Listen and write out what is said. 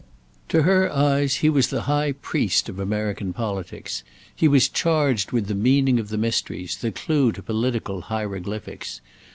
To her eyes he was the high priest of American politics; he was charged with the meaning of the mysteries, the clue to political hieroglyphics.